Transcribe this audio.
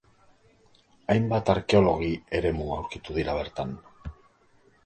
Hainbat arkeologi eremu aurkitu dira bertan.